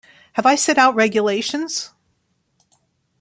Have I set out regulations?